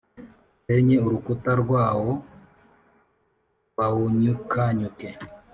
nsenye urukuta rwawo, bawunyukanyuke.